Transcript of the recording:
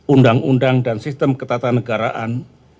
undang undang dan sistem ketatanegaraan